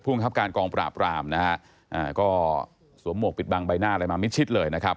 พลองคับกองปราบรามนะฮะก็สวมมวกปิดบางใบหน้าเลยมามิชิดเลยนะครับ